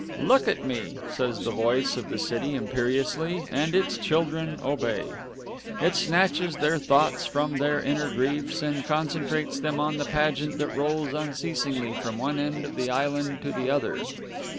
"Look at me!" says the voice of the city imperiously, and its children obey. It snatches their thoughts from their inner griefs, and concentrates them on the pageant that rolls unceasingly from one end of the island to the other.